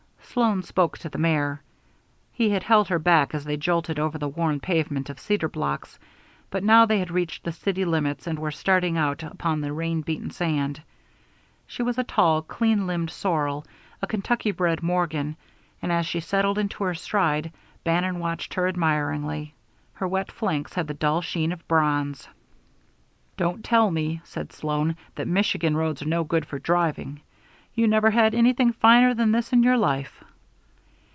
Sloan spoke to the mare. He had held her back as they jolted over the worn pavement of cedar blocks, but now they had reached the city limits and were starting out upon the rain beaten sand. She was a tall, clean limbed sorrel, a Kentucky bred Morgan, and as she settled into her stride, Bannon watched her admiringly. Her wet flanks had the dull sheen of bronze. "Don't tell me," said Sloan, "that Michigan roads are no good for driving. You never had anything finer than this in your life."